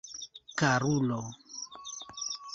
Karulo!